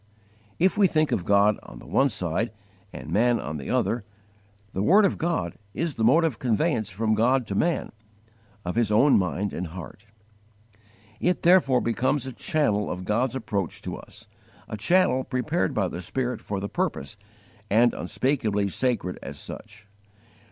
If we think of God on the one side and man on the other, the word of God is the mode of conveyance from God to man, of His own mind and heart. It therefore becomes a channel of God's approach to us, a channel prepared by the Spirit for the purpose, and unspeakably sacred as such.